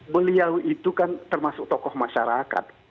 beliau itu kan termasuk tokoh masyarakat